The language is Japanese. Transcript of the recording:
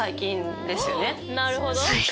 なるほど。